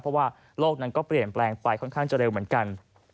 เพราะว่าโลกนั้นก็เปลี่ยนแปลงไปค่อนข้างจะเร็วเหมือนกัน